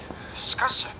しかし。